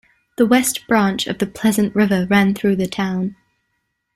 The West Branch of the Pleasant River ran through the town.